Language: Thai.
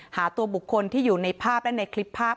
หาตัวบุคคลที่อยู่ในภาพและในคลิปภาพ